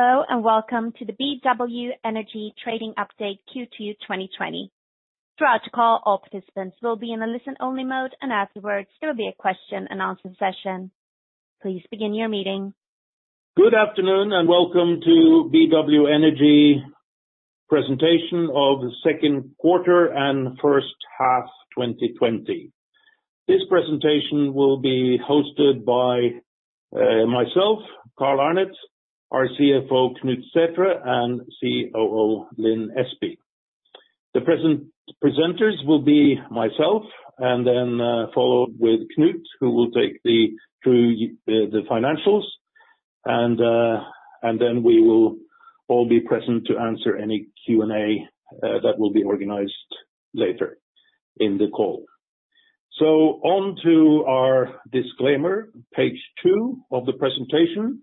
Hello, welcome to the BW Energy trading update Q2 2020. Throughout the call, all participants will be in a listen-only mode, and afterwards, there will be a question-and-answer session. Please begin your meeting. Good afternoon, welcome to BW Energy presentation of the second quarter and first half 2020. This presentation will be hosted by myself, Carl Arnet, our CFO, Knut Sæthre, and COO, Lin Espey. The presenters will be myself, and then followed with Knut, who will take you through the financials, and then we will all be present to answer any Q&A that will be organized later in the call. Onto our disclaimer, page two of the presentation.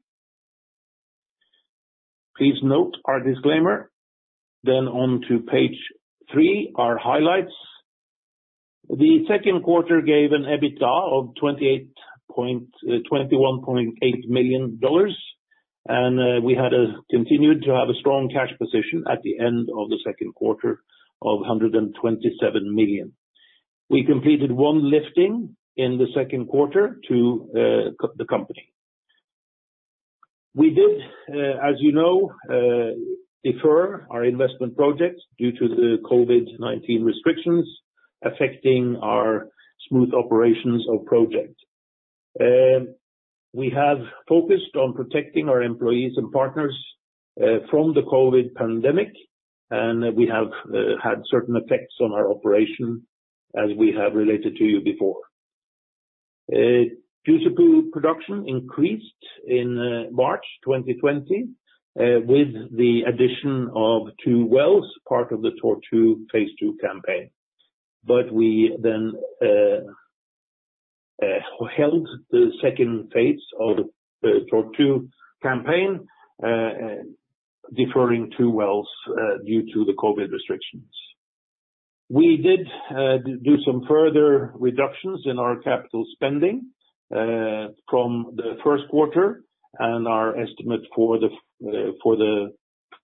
Please note our disclaimer. Onto page three, our highlights. The second quarter gave an EBITDA of $21.8 million. We had continued to have a strong cash position at the end of the second quarter of $127 million. We completed one lifting in the second quarter to the company. We did, as you know, defer our investment projects due to the COVID-19 restrictions affecting our smooth operations of projects. We have focused on protecting our employees and partners from the COVID-19 pandemic. We have had certain effects on our operation as we have related to you before. Tortue production increased in March 2020, with the addition of two wells, part of the Tortue Phase 2 campaign. We then held the second phase of the Tortue campaign, deferring two wells due to the COVID-19 restrictions. We did do some further reductions in our capital spending from the first quarter. Our estimate for the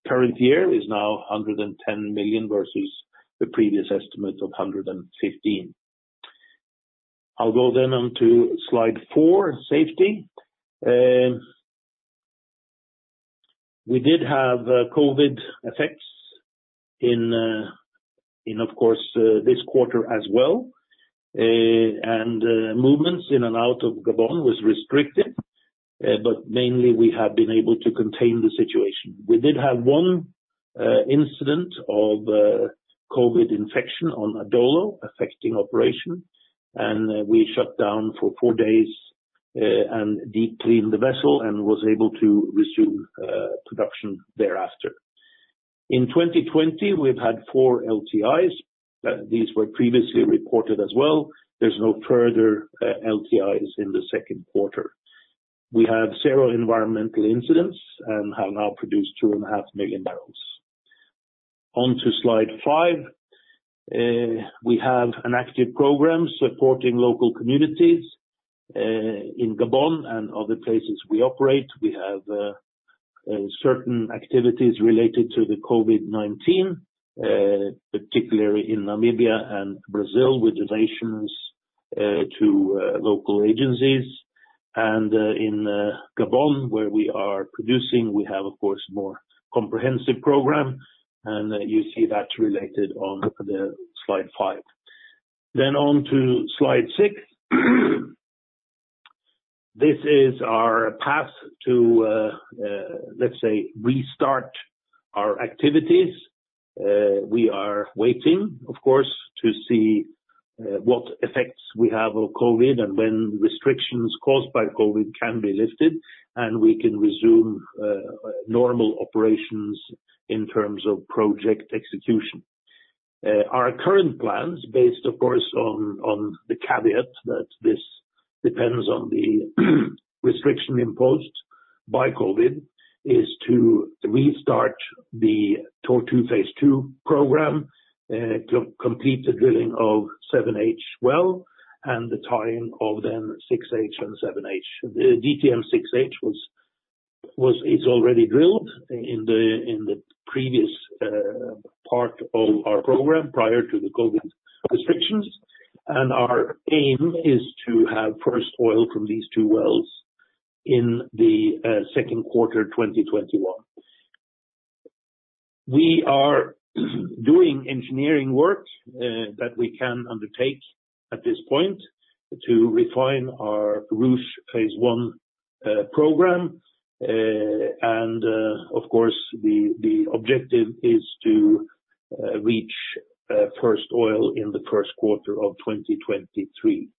current year is now $110 million versus the previous estimate of $115 million. I'll go onto slide four, safety. We did have COVID-19 effects in, of course, this quarter as well. Movements in and out of Gabon was restricted. Mainly we have been able to contain the situation. We did have one incident of COVID-19 infection on Adolo affecting operation, and we shut down for four days and deep-cleaned the vessel and was able to resume production thereafter. In 2020, we've had four LTIs. These were previously reported as well. There's no further LTIs in the second quarter. We had zero environmental incidents and have now produced 2.5 million barrels. On to slide five. We have an active program supporting local communities in Gabon and other places we operate. We have certain activities related to the COVID-19, particularly in Namibia and Brazil, with donations to local agencies. In Gabon, where we are producing, we have, of course, more comprehensive program, and you see that related on the slide five. On to slide six. This is our path to, let's say, restart our activities. We are waiting, of course, to see what effects we have of COVID and when restrictions caused by COVID can be lifted, and we can resume normal operations in terms of project execution. Our current plans, based, of course, on the caveat that this depends on the restriction imposed by COVID, is to restart the Tortue Phase 2 program, complete the drilling of 7H well, and the tying of then 6H and 7H. The DTM6H is already drilled in the previous part of our program prior to the COVID restrictions. Our aim is to have first oil from these two wells in the second quarter 2021. We are doing engineering work that we can undertake at this point to refine our Ruche Phase 1 program. Of course, the objective is to reach first oil in the first quarter of 2023.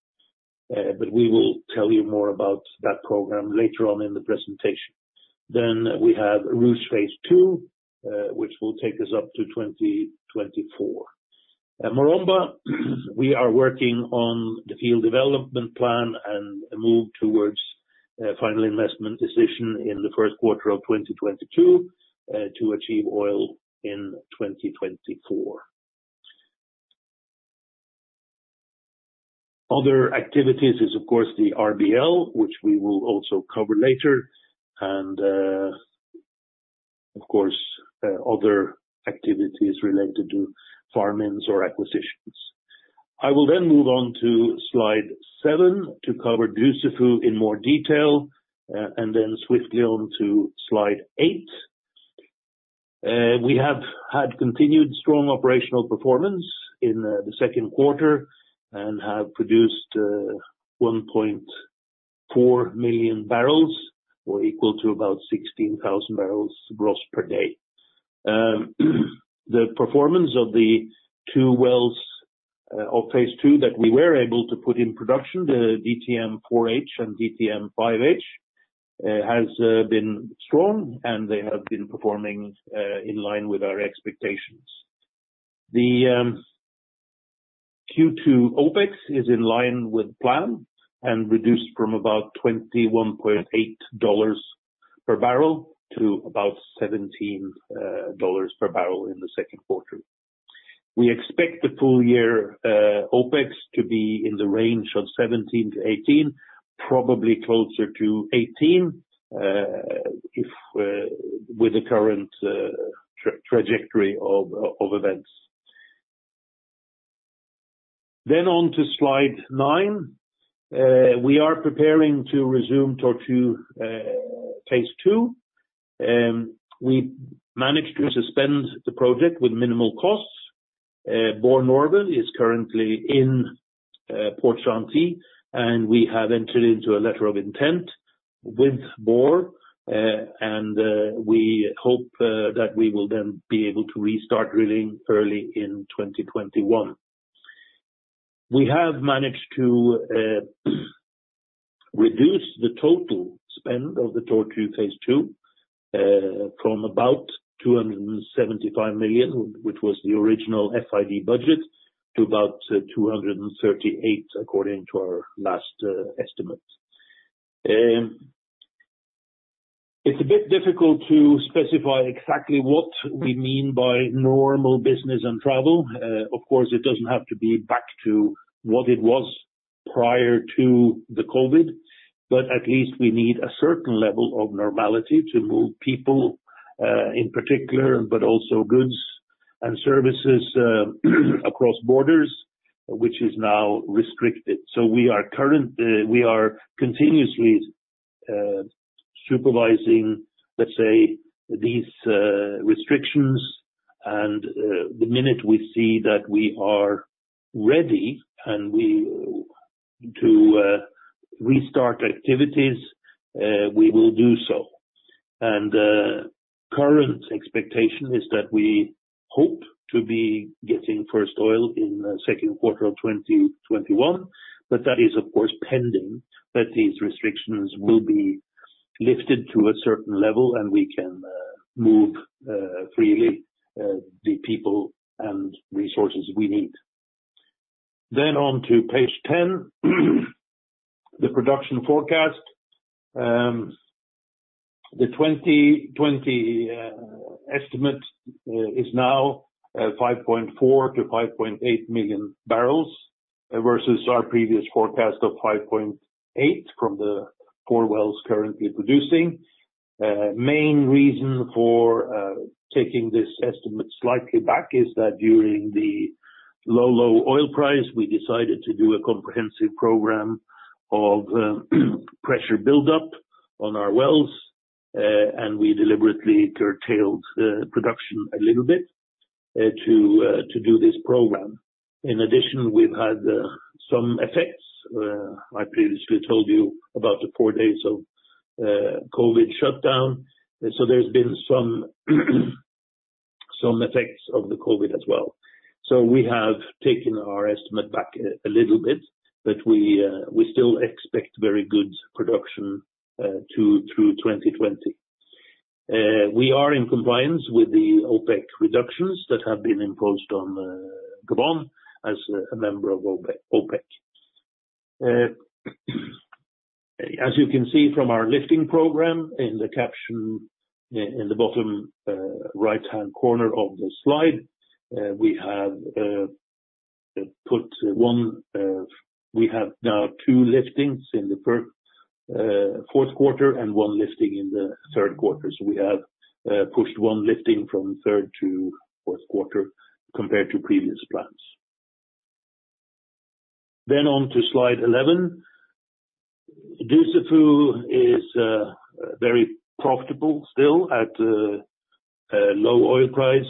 We will tell you more about that program later on in the presentation. We have Ruche Phase 2, which will take us up to 2024. Maromba, we are working on the field development plan and move towards final investment decision in the first quarter of 2022 to achieve oil in 2024. Other activities is, of course, the RBL, which we will also cover later, and of course, other activities related to farm-ins or acquisitions. I will then move on to slide seven to cover Dussafu in more detail, and then swiftly on to slide eight. We have had continued strong operational performance in the second quarter and have produced 1.4 million barrels or equal to about 16,000 bbl gross per day. The performance of the two wells of phase two that we were able to put in production, the DTM-4H and DTM-5H, has been strong and they have been performing in line with our expectations. The Q2 OPEX is in line with plan and reduced from about $21.8 per barrel to about $17 per barrel in the second quarter. We expect the full-year OPEX to be in the range of $17-$18, probably closer to $18, with the current trajectory of events. On to slide nine. We are preparing to resume Tortue Phase 2. We managed to suspend the project with minimal costs. Borr Norve is currently in Port Gentil, and we have entered into a letter of intent with Borr, and we hope that we will then be able to restart drilling early in 2021. We have managed to reduce the total spend of the Tortue Phase 2 from about $275 million, which was the original FID budget, to about $238, according to our last estimate. It's a bit difficult to specify exactly what we mean by normal business and travel. Of course, it doesn't have to be back to what it was prior to the COVID-19, but at least we need a certain level of normality to move people in particular, but also goods and services across borders, which is now restricted. We are continuously supervising, let's say, these restrictions and the minute we see that we are ready to restart activities, we will do so. Current expectation is that we hope to be getting first oil in the second quarter of 2021, but that is, of course, pending that these restrictions will be lifted to a certain level and we can move freely the people and resources we need. On to page 10, the production forecast. The 2020 estimate is now 5.4 million barrels to 5.8 million barrels versus our previous forecast of 5.8 million barrels from the four wells currently producing. Main reason for taking this estimate slightly back is that during the low, low oil price, we decided to do a comprehensive program of pressure buildup on our wells, and we deliberately curtailed production a little bit to do this program. In addition, we've had some effects. I previously told you about the four days of COVID shutdown. There's been some effects of the COVID as well. We have taken our estimate back a little bit, but we still expect very good production through 2020. We are in compliance with the OPEC reductions that have been imposed on Gabon as a member of OPEC. As you can see from our lifting program in the caption in the bottom right-hand corner of the slide, we have now two liftings in the fourth quarter and one lifting in the third quarter. We have pushed one lifting from third to fourth quarter compared to previous plans. On to slide 11. Dussafu is very profitable still at low oil price.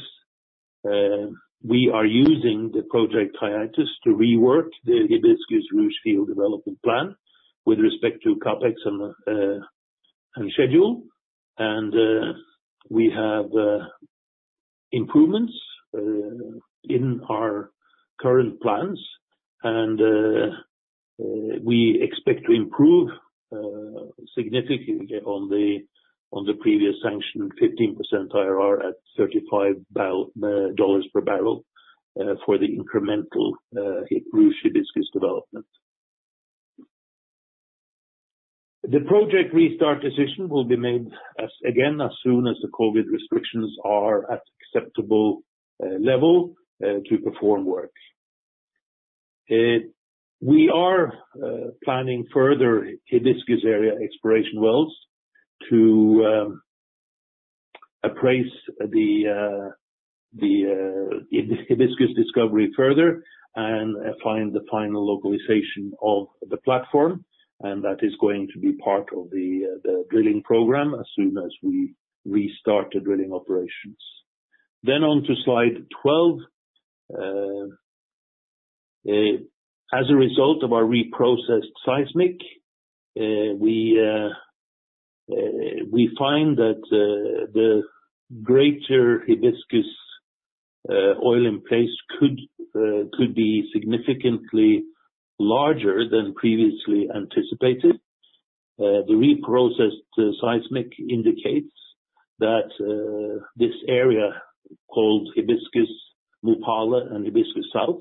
We are using the project hiatus to rework the Hibiscus Ruche field development plan with respect to CapEx and schedule. We have improvements in our current plans, and we expect to improve significantly on the previous sanctioned 15% IRR at $35 per barrel for the incremental Ruche Hibiscus development. The project restart decision will be made, again, as soon as the COVID restrictions are at acceptable level to perform work. We are planning further Hibiscus area exploration wells to appraise the Hibiscus discovery further and find the final localization of the platform, and that is going to be part of the drilling program as soon as we restart the drilling operations. On to slide 12. As a result of our reprocessed seismic, we find that the greater Hibiscus oil in place could be significantly larger than previously anticipated. The reprocessed seismic indicates that this area, called Hibiscus Mupale and Hibiscus South,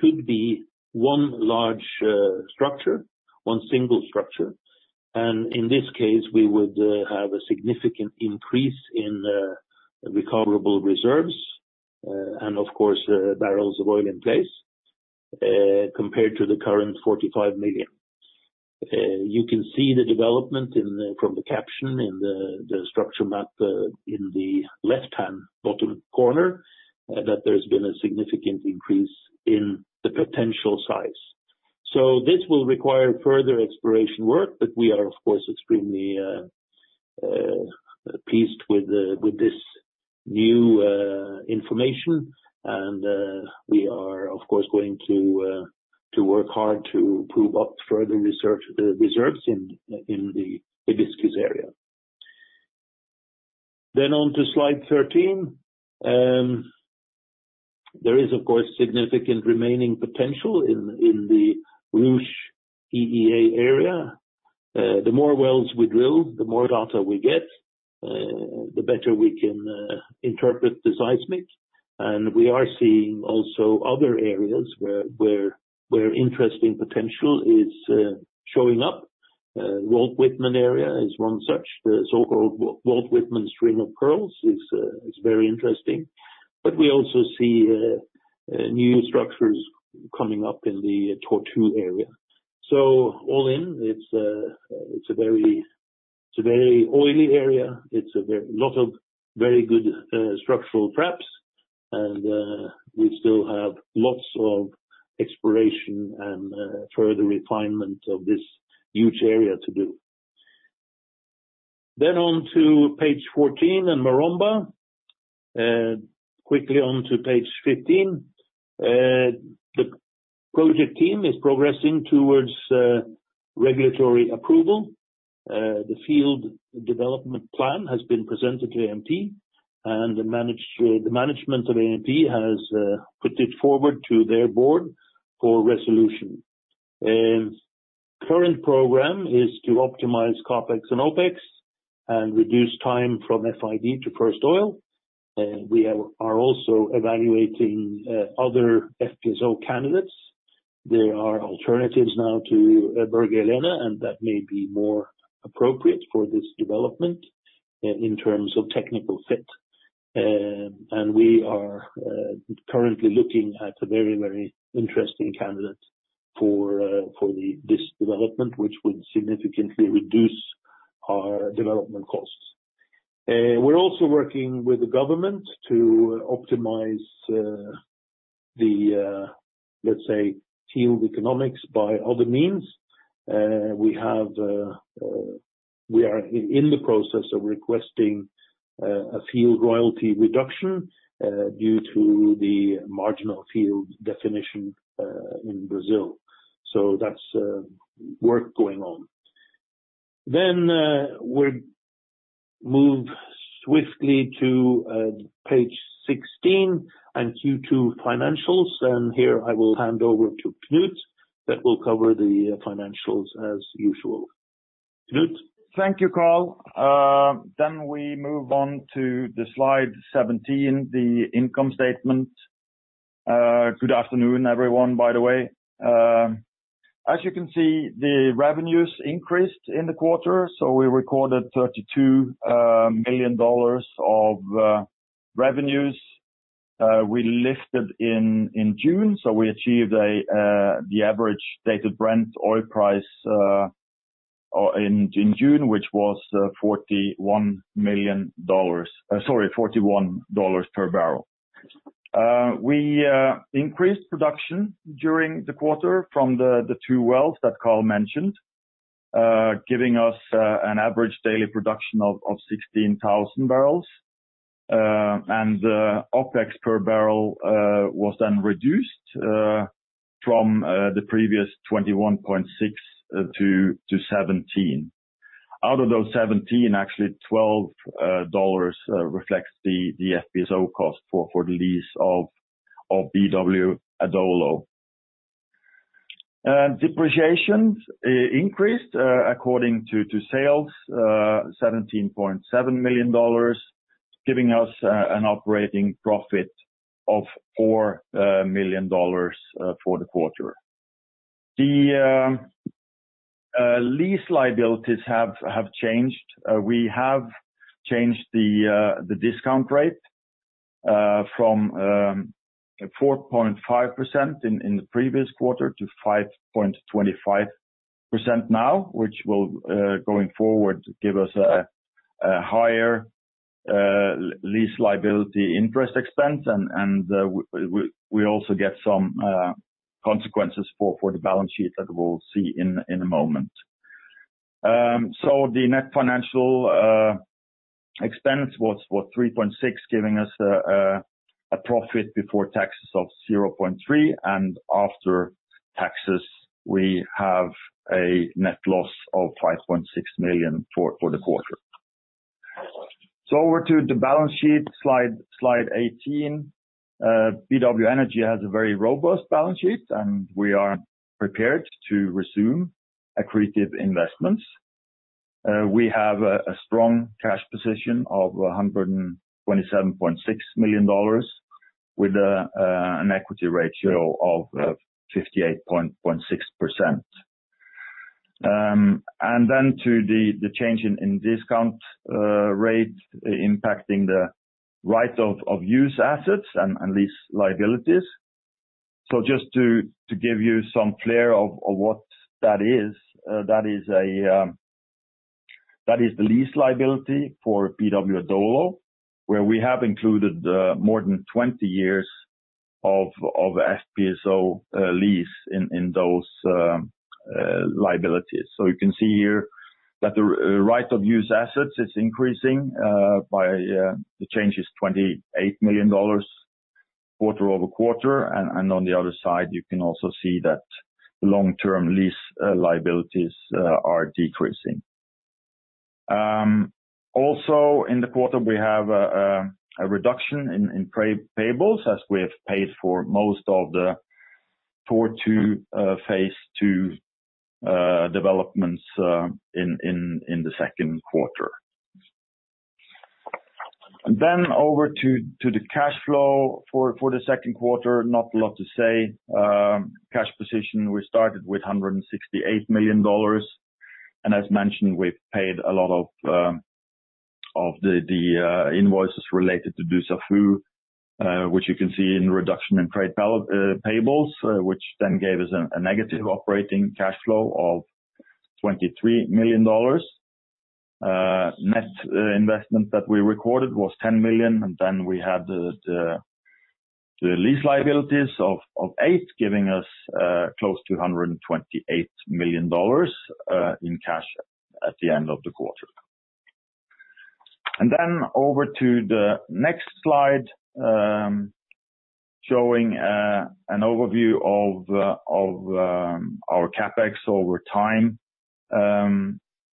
could be one large structure, one single structure. In this case, we would have a significant increase in recoverable reserves, and of course, barrels of oil in place compared to the current 45 million. You can see the development from the caption in the structure map in the left-hand bottom corner, that there's been a significant increase in the potential size. This will require further exploration work. We are, of course, extremely pleased with this new information and we are, of course, going to work hard to prove up further reserves in the Hibiscus area. On to slide 13. There is, of course, significant remaining potential in the Ruche EEA area. The more wells we drill, the more data we get, the better we can interpret the seismic. We are seeing also other areas where interesting potential is showing up. Walt Whitman area is one such. The so-called Walt Whitman string of pearls is very interesting. We also see new structures coming up in the Tortue area. All in, it's a very oily area. It's a lot of very good structural traps, and we still have lots of exploration and further refinement of this huge area to do. On to page 14 and Maromba. Quickly on to page 15. The project team is progressing towards regulatory approval. The field development plan has been presented to ANP, and the management of ANP has put it forward to their board for resolution. Current program is to optimize CapEx and OpEx and reduce time from FID to first oil. We are also evaluating other FPSO candidates. There are alternatives now to Berge Helene. That may be more appropriate for this development in terms of technical fit. We are currently looking at a very interesting candidate for this development, which would significantly reduce our development costs. We're also working with the government to optimize the, let's say, field economics by other means. We are in the process of requesting a field royalty reduction due to the marginal field definition in Brazil. That's work going on. We move swiftly to page 16 and Q2 financials. Here I will hand over to Knut that will cover the financials as usual. Knut? Thank you, Carl. We move on to slide 17, the income statement. Good afternoon, everyone, by the way. As you can see, the revenues increased in the quarter, we recorded $32 million of revenues. We lifted in June, we achieved the average dated Brent oil price in June, which was $41 million. Sorry, $41 per barrel. We increased production during the quarter from the two wells that Carl mentioned, giving us an average daily production of 16,000 bbl. The OpEx per barrel was then reduced from the previous $21.6 to $17. Out of those $17, actually $12 reflects the FPSO cost for the lease of BW Adolo. Depreciation increased according to sales, $17.7 million. Giving us an operating profit of $4 million for the quarter. The lease liabilities have changed. We have changed the discount rate from 4.5% in the previous quarter to 5.25% now, which will, going forward, give us a higher lease liability interest expense and we also get some consequences for the balance sheet that we'll see in a moment. The net financial expense was for $3.6, giving us a profit before taxes of $0.3, and after taxes, we have a net loss of $5.6 million for the quarter. Over to the balance sheet, slide 18. BW Energy has a very robust balance sheet, and we are prepared to resume accretive investments. We have a strong cash position of $127.6 million with an equity ratio of 58.6%. Then to the change in discount rate impacting the right of use assets and lease liabilities. Just to give you some flavor of what that is. That is the lease liability for BW Adolo, where we have included more than 20 years of FPSO lease in those liabilities. You can see here that the right of use assets is increasing by The change is $28 million quarter-over-quarter. On the other side, you can also see that the long-term lease liabilities are decreasing. Also in the quarter, we have a reduction in payables as we have paid for most of the Phase 2 developments in the second quarter. Over to the cash flow for the second quarter, not a lot to say. Cash position, we started with $168 million. As mentioned, we've paid a lot of the invoices related to Dussafu, which you can see in reduction in trade payables, which then gave us a negative operating cash flow of $23 million. Net investment that we recorded was $10 million. We have the lease liabilities of $8, giving us close to $128 million in cash at the end of the quarter. Over to the next slide showing an overview of our CapEx over time.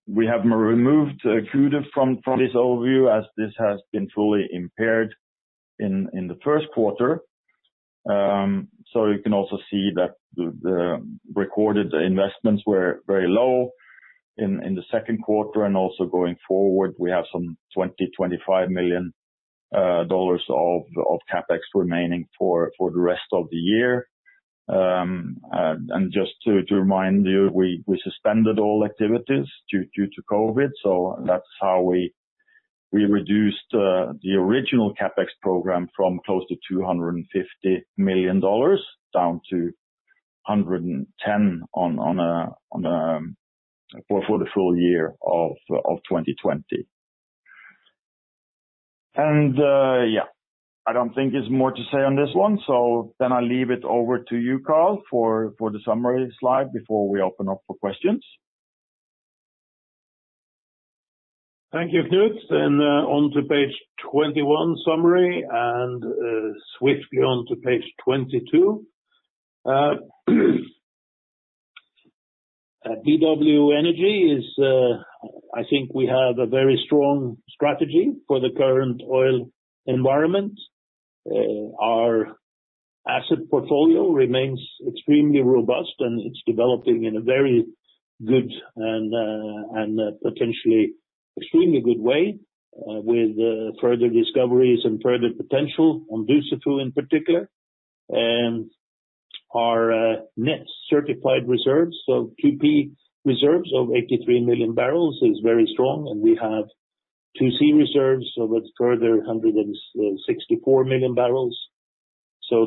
We have removed Kudu from this overview as this has been fully impaired in the first quarter. You can also see that the recorded investments were very low in the second quarter and also going forward, we have some $20 million-$25 million of CapEx remaining for the rest of the year. Just to remind you, we suspended all activities due to COVID, so that's how we reduced the original CapEx program from close to $250 million down to $110 for the full year of 2020. Yeah, I don't think there's more to say on this one. I leave it over to you, Carl, for the summary slide before we open up for questions. Thank you, Knut. On to page 21 summary and swiftly on to page 22. At BW Energy, I think we have a very strong strategy for the current oil environment. Our asset portfolio remains extremely robust, and it's developing in a very good and potentially extremely good way with further discoveries and further potential on Dussafu in particular. Our net certified reserves, so 2P reserves of 83 million barrels is very strong, and we have 2C reserves of a further 164 million barrels.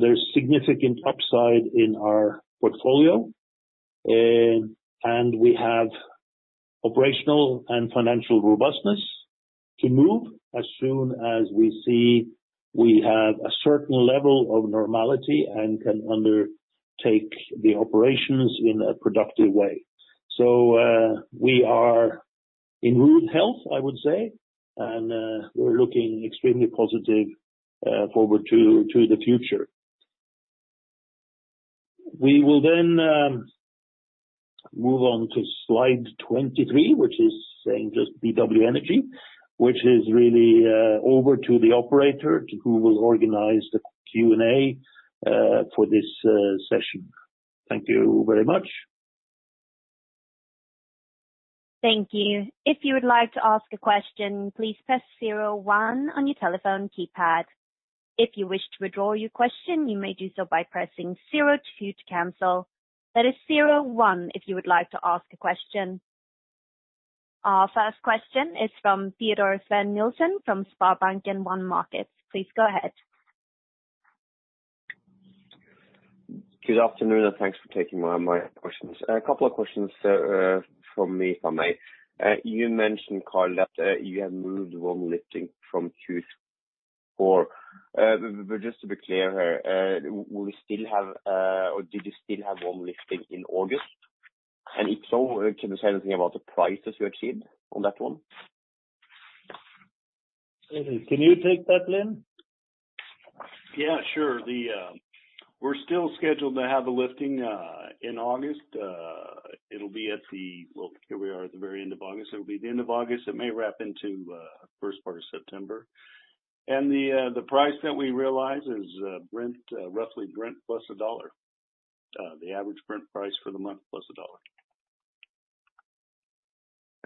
There's significant upside in our portfolio. We have operational and financial robustness to move as soon as we see we have a certain level of normality and can undertake the operations in a productive way. We are in good health, I would say, and we're looking extremely positive forward to the future. We will move on to slide 23, which is saying just BW Energy, which is really over to the operator who will organize the Q&A for this session. Thank you very much. Thank you. If you would like to ask a question, please press zero one on your telephone keypad. If you wish to withdraw your question, you may do so by pressing zero two to cancel. That is zero one if you would like to ask a question. Our first question is from Teodor Sveen-Nilsen from SpareBank 1 Markets. Please go ahead. Good afternoon, thanks for taking my questions. A couple of questions from me if I may. You mentioned, Carl, that you have moved one lifting from Q4. Just to be clear here, will you still have, or did you still have one lifting in August? If so, can you say anything about the prices you achieved on that one? Can you take that, Lin? Yeah, sure. We're still scheduled to have a lifting, in August. Here we are at the very end of August. It'll be at the end of August. It may wrap into first part of September. The price that we realize is Brent, roughly Brent plus $1. The average Brent price for the month plus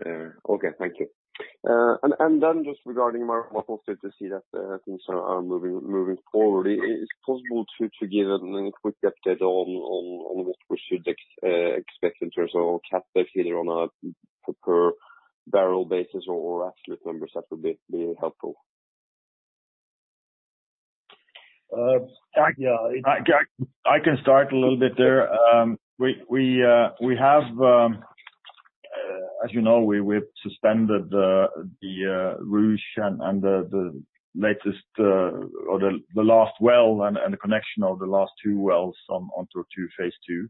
$1. Okay, thank you. Just regarding my model things are moving forward. Is it possible to give a quick update on what we should expect in terms of CapEx, either on a per barrel basis or absolute numbers? That would be helpful. I can start a little bit there. As you know, we've suspended the Ruche and the latest or the last well and the connection of the last two wells onto Tortue Phase 2.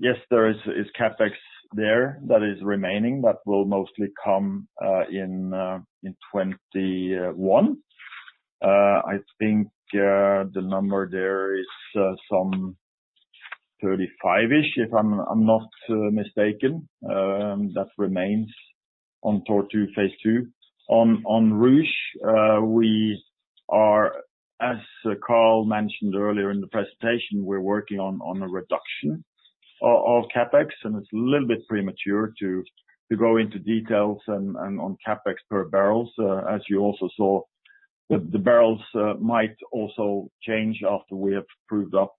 Yes, there is CapEx there that is remaining, that will mostly come in 2021. I think, the number there is some $35, if I'm not mistaken, that remains on Tortue Phase 2. On Ruche, as Carl mentioned earlier in the presentation, we're working on a reduction of CapEx, and it's a little bit premature to go into details on CapEx per barrels. As you also saw, the barrels might also change after we have proved up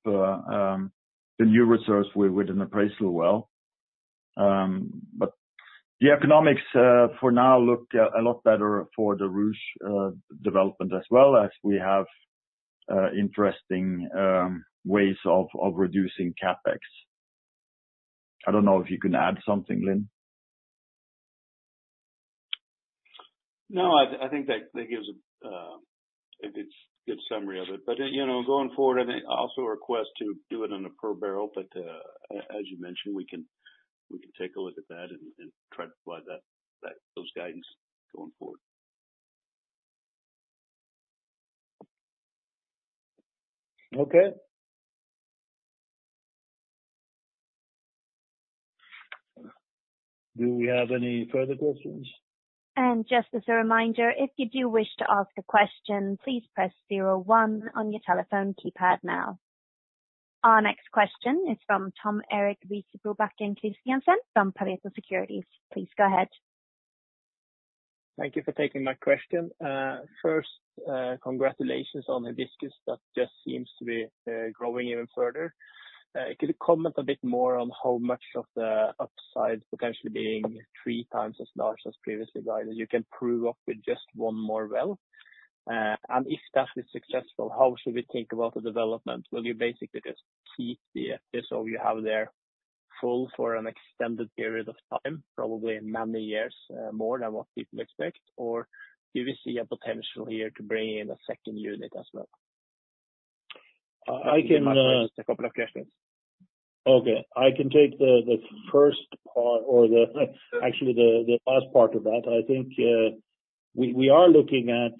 the new reserves within the appraisal well. But the economics for now look a lot better for the Ruche development as well as we have interesting ways of reducing CapEx. I don't know if you can add something, Lin. I think that gives a good summary of it. Going forward, and also a request to do it on a per barrel, but as you mentioned, we can take a look at that and try to apply those guidance going forward. Okay. Do we have any further questions? Just as a reminder, if you do wish to ask a question, please press zero one on your telephone keypad now. Our next question is from Tom Erik Kristiansen from Pareto Securities. Please go ahead. Thank you for taking my question. First, congratulations on Hibiscus. That just seems to be growing even further. Could you comment a bit more on how much of the upside potentially being three times as large as previously guided you can prove up with just one more well? If that is successful, how should we think about the development? Will you basically just keep the FPSO you have there full for an extended period of time, probably many years more than what people expect? Do we see a potential here to bring in a second unit as well? I can- Just a couple of questions. Okay. I can take the first part or actually the last part of that. I think we are looking at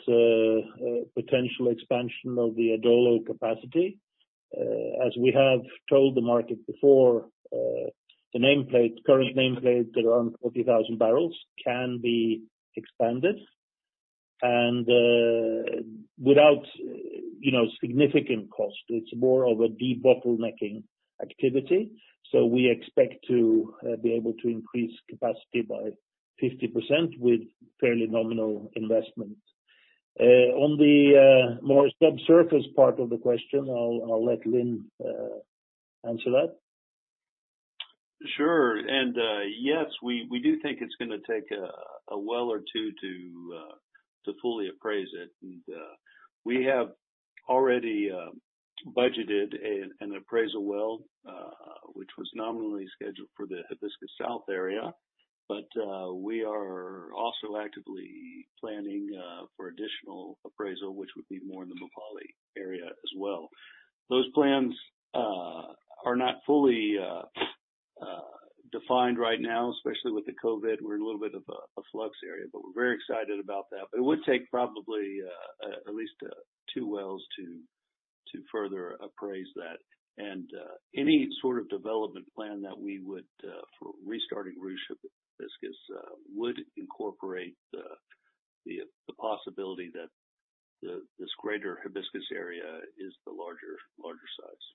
potential expansion of the Adolo capacity. As we have told the market before, the current nameplate at around 40,000 bbl can be expanded and without significant cost. It's more of a debottlenecking activity. We expect to be able to increase capacity by 50% with fairly nominal investment. On the more subsurface part of the question, I'll let Lin answer that. Sure. Yes, we do think it's going to take a well or two to fully appraise it. We have already budgeted an appraisal well, which was nominally scheduled for the Hibiscus South area. We are also actively planning for additional appraisal, which would be more in the Mupale area as well. Those plans are not fully defined right now, especially with the COVID, we're in a little bit of a flux area, but we're very excited about that. It would take probably at least two wells to further appraise that. Any sort of development plan that we would for restarting Ruche Hibiscus would incorporate the The possibility that this greater Hibiscus area is the larger size.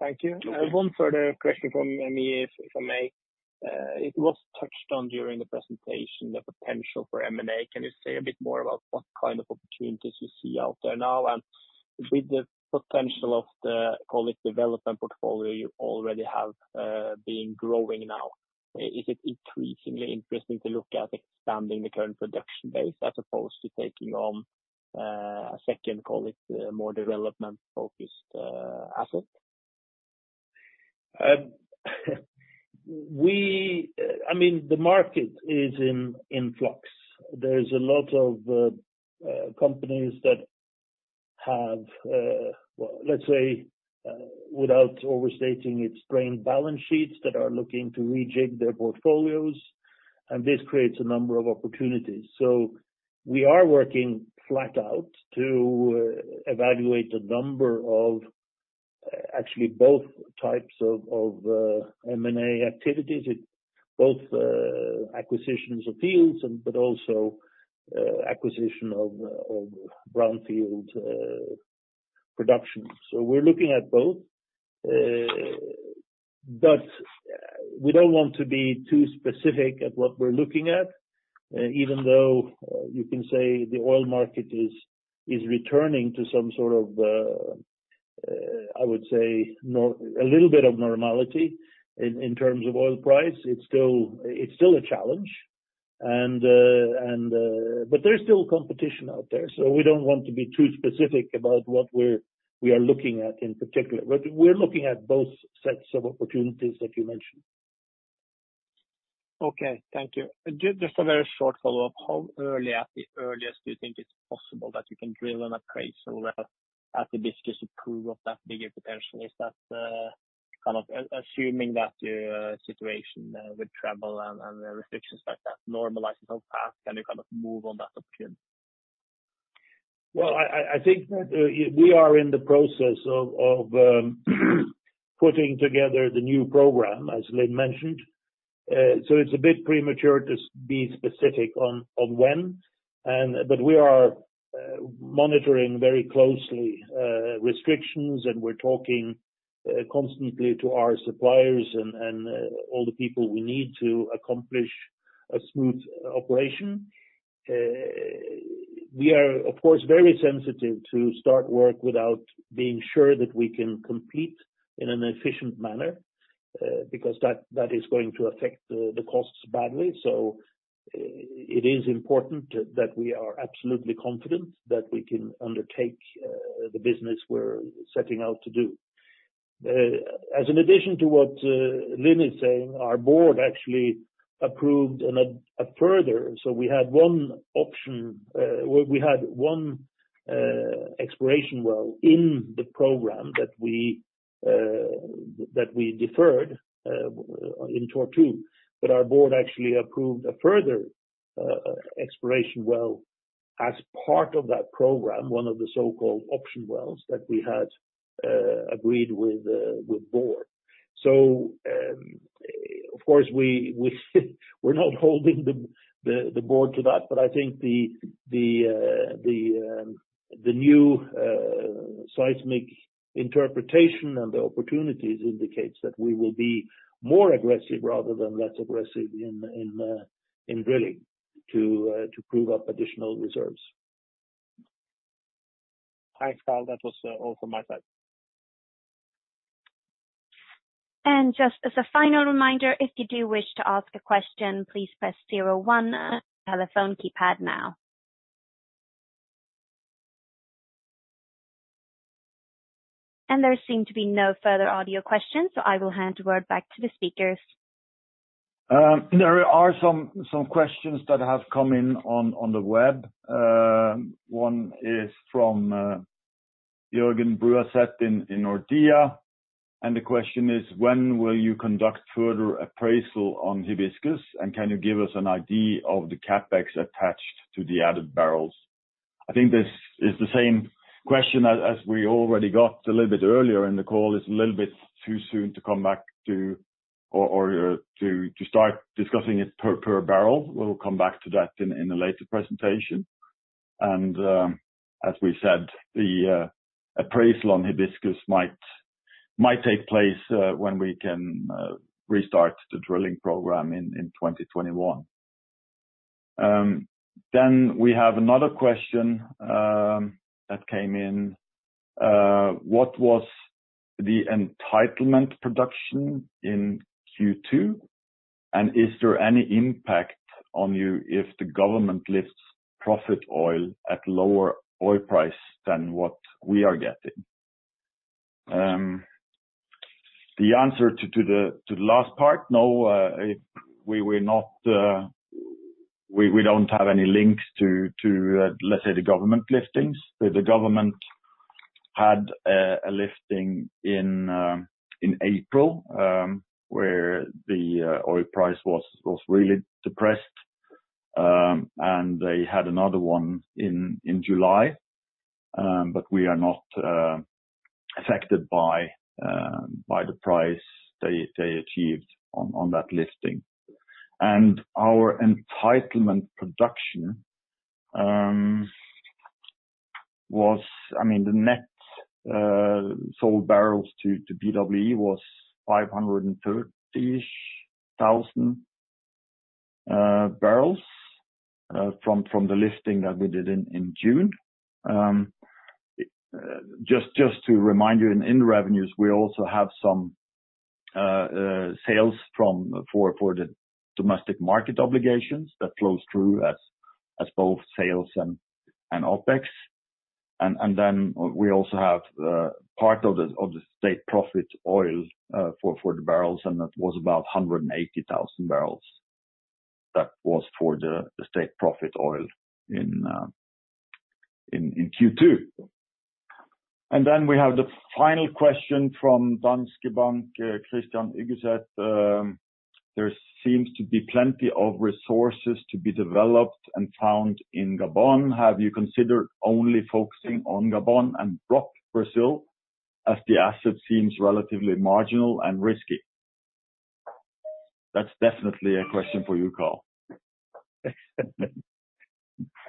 Thank you. Okay. One further question from me, if I may. It was touched on during the presentation, the potential for M&A. Can you say a bit more about what kind of opportunities you see out there now? With the potential of the, call it development portfolio you already have being growing now, is it increasingly interesting to look at expanding the current production base as opposed to taking on a second, call it, more development-focused asset? The market is in flux. There's a lot of companies that have, let's say, without overstating it, strained balance sheets that are looking to rejig their portfolios, and this creates a number of opportunities. We are working flat out to evaluate a number of actually both types of M&A activities. Both acquisitions of fields but also acquisition of brownfield production. We're looking at both. We don't want to be too specific at what we're looking at. Even though you can say the oil market is returning to some sort of, I would say, a little bit of normality in terms of oil price, it's still a challenge. There's still competition out there, so we don't want to be too specific about what we are looking at in particular. We're looking at both sets of opportunities that you mentioned. Okay. Thank you. Just a very short follow-up. How early at the earliest do you think it's possible that you can drill an appraisal at Hibiscus to prove up that bigger potential? Is that kind of assuming that the situation with travel and restrictions like that normalizes on path, can you kind of move on that option? Well, I think that we are in the process of putting together the new program, as Lin mentioned. It's a bit premature to be specific on when. We are monitoring very closely restrictions, and we're talking constantly to our suppliers and all the people we need to accomplish a smooth operation. We are, of course, very sensitive to start work without being sure that we can complete in an efficient manner, because that is going to affect the costs badly. It is important that we are absolutely confident that we can undertake the business we're setting out to do. As an addition to what Lin is saying, our board actually approved a further. We had one exploration well in the program that we deferred in Q2. Our board actually approved a further exploration well as part of that program, one of the so-called option wells that we had agreed with Borr. Of course, we are not holding Borr to that, but I think the new seismic interpretation and the opportunities indicates that we will be more aggressive rather than less aggressive in drilling to prove up additional reserves. Thanks, Carl. That was all from my side. Just as a final reminder, if you do wish to ask a question, please press zero one on your telephone keypad now. There seem to be no further audio questions, so I will hand the word back to the speakers. There are some questions that have come in on the web. One is from Jørgen Bruaset in Nordea, and the question is, "When will you conduct further appraisal on Hibiscus? And can you give us an idea of the CapEx attached to the added barrels?" I think this is the same question as we already got a little bit earlier in the call. It's a little bit too soon to come back to or to start discussing it per barrel. We'll come back to that in a later presentation. As we said, the appraisal on Hibiscus might take place when we can restart the drilling program in 2021. We have another question that came in. "What was the entitlement production in Q2? Is there any impact on you if the government lifts profit oil at lower oil price than what we are getting? The answer to the last part, no. We don't have any links to, let's say, the government liftings. The government had a lifting in April, where the oil price was really depressed, and they had another one in July. We are not affected by the price they achieved on that lifting. Our entitlement production was, the net sold barrels to BWE was 530,000-ish barrels from the lifting that we did in June. Just to remind you, in revenues, we also have some sales for the domestic market obligations that flows through as both sales and OPEX. We also have part of the state profit oil for the barrels, and that was about 180,000 bbl. That was for the state profit oil in Q2. We have the final question from Danske Bank, Christian Yggeseth. There seems to be plenty of resources to be developed and found in Gabon. Have you considered only focusing on Gabon and drop Brazil, as the asset seems relatively marginal and risky? That's definitely a question for you, Carl.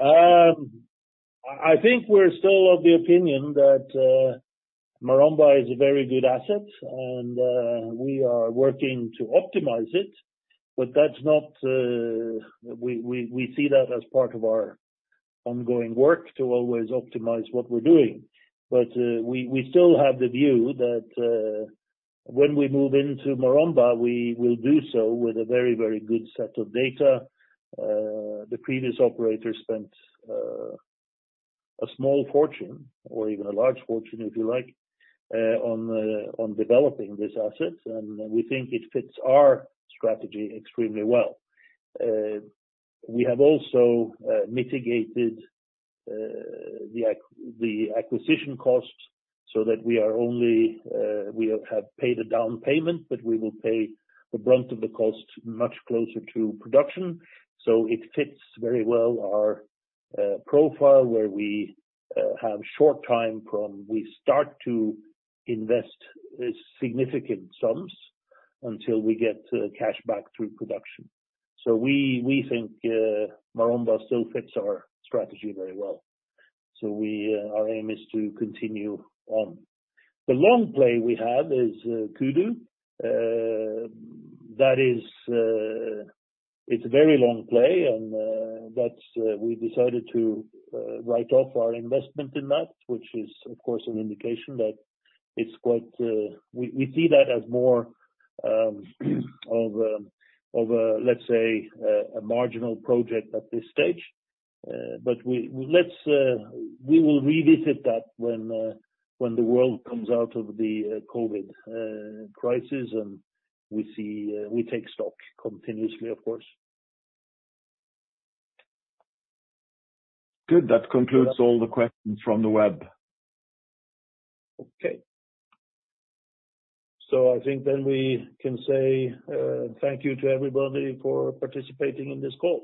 I think we're still of the opinion that Maromba is a very good asset, and we are working to optimize it. We see that as part of our ongoing work to always optimize what we're doing. We still have the view that when we move into Maromba, we will do so with a very good set of data. The previous operator spent a small fortune or even a large fortune, if you like, on developing this asset, and we think it fits our strategy extremely well. We have also mitigated the acquisition cost so that we have paid a down payment, but we will pay the brunt of the cost much closer to production. It fits very well our profile, where we have short time from we start to invest significant sums until we get cash back through production. We think Maromba still fits our strategy very well. Our aim is to continue on. The long play we have is Kudu. It's a very long play, and we decided to write off our investment in that, which is of course an indication that we see that as more of a, let's say, a marginal project at this stage. We will revisit that when the world comes out of the COVID crisis and we take stock continuously, of course. Good. That concludes all the questions from the web. Okay. I think we can say thank you to everybody for participating in this call.